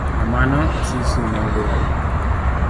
Kamano, Asisi ne oduoko